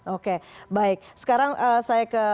oke baik sekarang saya ke